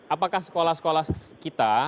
apakah sekolah sekolah kita